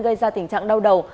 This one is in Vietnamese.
gây ra tình trạng đau đầu